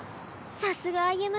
さすが歩夢。